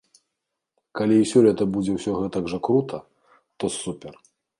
Калі і сёлета будзе ўсё гэтак жа крута, то супер.